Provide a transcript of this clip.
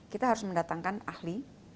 kita harus mendatangkan ahli